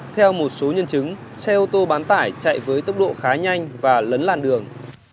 theo một số nhân chứng xe ô tô bán tải chạy với tốc độ khá nhanh và lấn làn đường